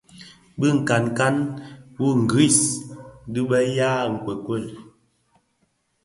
Bi nkankan wu ngris dhi be ya nkuekuel.